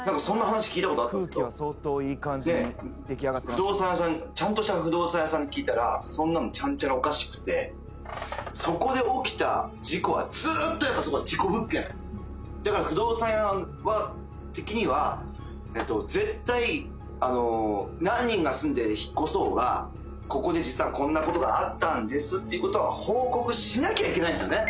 不動産屋さんちゃんとした不動産屋さんに聞いたらそんなのちゃんちゃらおかしくてそこで起きた事故はずっとやっぱそこは事故物件だから不動産屋的にはえと絶対あの何人が住んで引っ越そうがここで実はこんなことがあったんですっていうことは報告しなきゃいけないんですよね？